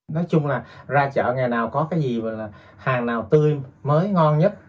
nói chung là ra chợ ngày nào có cái gì gọi là hàng nào tươi mới ngon nhất